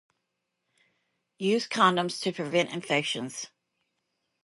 Use condoms to prevent infections.